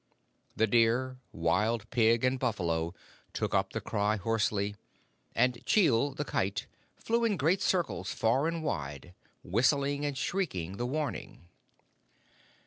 The deer, wild pig, and buffalo took up the cry hoarsely; and Chil, the Kite, flew in great circles far and wide, whistling and shrieking the warning.